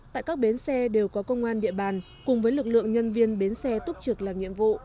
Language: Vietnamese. tại các bến xe đều có công an địa bàn cùng với lực lượng nhân viên bến xe túc trực làm nhiệm vụ